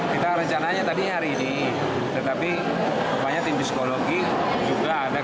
kita rencananya tadi hari ini tetapi rupanya tim psikologi juga ada